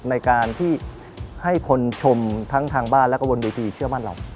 ในการที่ให้คนชมทั้งทางบ้านแล้วก็บนเวทีเชื่อมั่นเรา